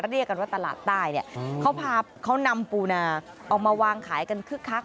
เรียกกันว่าตลาดใต้เนี่ยเขาพาเขานำปูนาออกมาวางขายกันคึกคัก